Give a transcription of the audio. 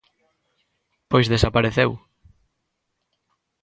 _Pois desapareceu.